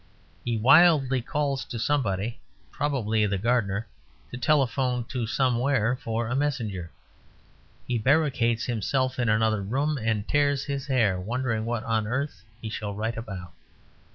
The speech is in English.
He wildly calls to somebody (probably the gardener) to telephone to somewhere for a messenger; he barricades himself in another room and tears his hair, wondering what on earth he shall write about.